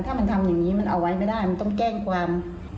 ถ้ามันทำอย่างนี้มันเอาไว้ไม่ได้มันต้องแจ้งความ